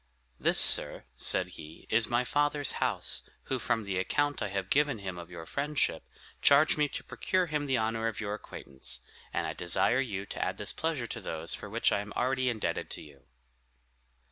"This, sir," said he, "is my father's house, who, from the account I have given him of your friendship, charged me to procure him the honor of your acquaintance; and I desire you to add this pleasure to those for which I am already indebted to you."